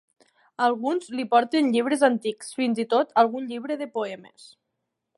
Alguns li porten llibres antics, fins i tot algun llibre de poemes.